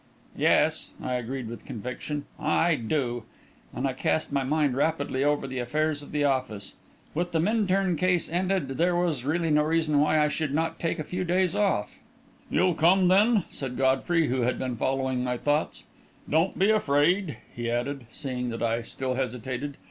"Yes," I agreed with conviction, "I do;" and I cast my mind rapidly over the affairs of the office. With the Minturn case ended, there was really no reason why I should not take a few days off. "You'll come, then?" said Godfrey, who had been following my thoughts. "Don't be afraid," he added, seeing that I still hesitated.